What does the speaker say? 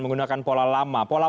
menggunakan pola lama pola